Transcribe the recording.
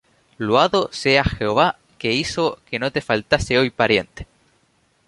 Loado sea Jehová, que hizo que no te faltase hoy pariente.